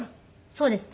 そうです。